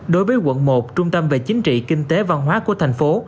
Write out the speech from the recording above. đối với quận một trung tâm về chính trị kinh tế văn hóa của thành phố